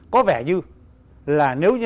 có vẻ như là nếu như